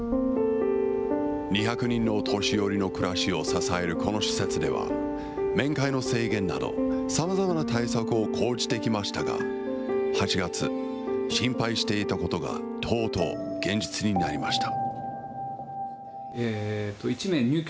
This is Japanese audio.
２００人の年寄りの暮らしを支えるこの施設では、面会の制限など、さまざまな対策を講じてきましたが、８月、心配していたことがとうとう現実になりました。